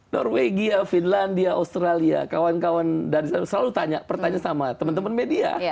norwegia finlandia australia kawan kawan dari selalu tanya sama teman teman media